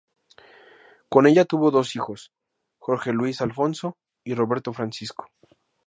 Con ella tuvo dos hijos, Jorge Luis Alfonso y Roberto Francisco.